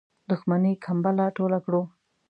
دښمنی کمبله ټوله کړو.